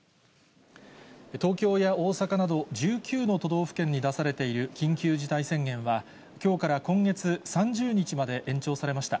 東京や大阪など１９の都道府県に出されている緊急事態宣言は、きょうから今月３０日まで延長されました。